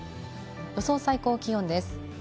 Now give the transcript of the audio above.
予想最高気温です。